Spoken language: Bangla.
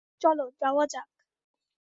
চলো, যাওয়া যাক!